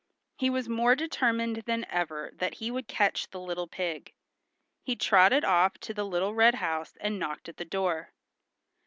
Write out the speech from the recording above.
He was more determined than ever that he would catch the little pig. He trotted off to the little red house and knocked at the door.